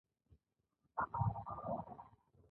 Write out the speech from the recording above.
یو سل او دوه شپیتمه پوښتنه استعلام دی.